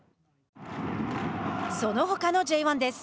そのほかのＪ１です。